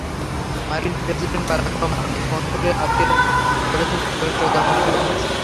মার্কিন president Barack Obama phone করে আবেকে বলেছেন, যুক্তরাষ্ট্র জাপানের পাশে আছে।